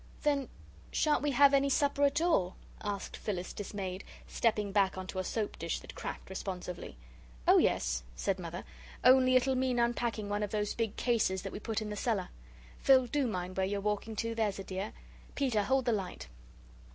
"Then shan't we have any supper at all?" asked Phyllis, dismayed, stepping back on to a soap dish that cracked responsively. "Oh, yes," said Mother, "only it'll mean unpacking one of those big cases that we put in the cellar. Phil, do mind where you're walking to, there's a dear. Peter, hold the light."